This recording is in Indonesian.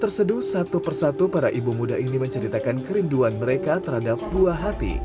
terseduh satu persatu para ibu muda ini menceritakan kerinduan mereka terhadap buah hati